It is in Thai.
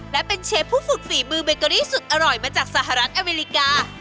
และเป็นเชฟผู้ฝึกฝีมือเบเกอรี่สุดอร่อยมาจากสหรัฐอเมริกา